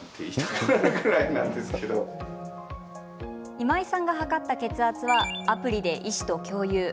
今井さんが測った血圧はアプリで医師と共有。